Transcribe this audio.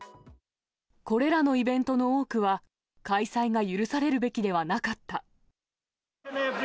これらのイベントの多くは、開催が許されるべきではなかった。